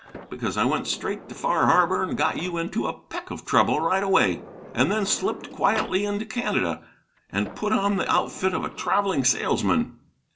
Because I went straight to Far Harbor and got you into a peck of trouble, right away, and then slipped quietly into Canada, and put on the outfit of a travelling salesman.